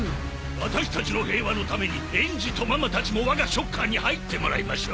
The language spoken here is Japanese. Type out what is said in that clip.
ワタシたちの平和のために園児とママたちも我がショッカーに入ってもらいましょう。